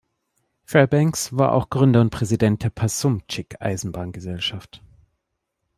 Fairbanks war auch Gründer und Präsident der Passumpsic-Eisenbahngesellschaft.